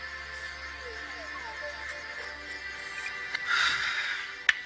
「はあ」。